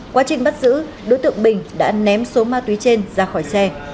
quá trình bắt giữ đối tượng bình đã ném số ma túy trên ra khỏi xe